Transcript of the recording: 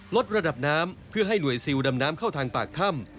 ลดระดับน้ำเพื่อให้หน่วยซิลดำน้ำเข้าทางปากถ้ำ